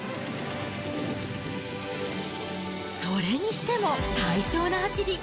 それにしても快調な走り。